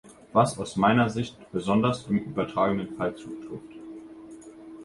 Was aus meiner Sicht besonders im übertragenen Fall zutrifft.